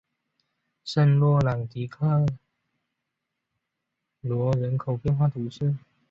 圣洛朗迪克罗人口变化图示